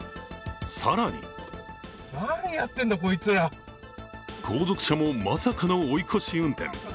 更に後続車もまさかの追い越し運転。